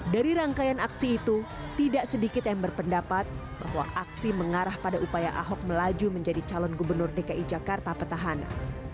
dari rangkaian aksi itu tidak sedikit yang berpendapat bahwa aksi mengarah pada upaya ahok melaju menjadi calon gubernur dki jakarta petahana